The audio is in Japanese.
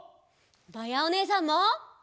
まやおねえさんも。